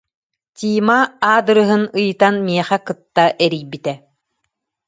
Тима аадырыһын ыйытан миэхэ кытта эрийбитэ